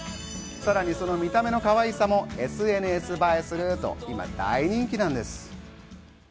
さらにその見た目のかわいさもＳＮＳ映えすると今、大人気なんです。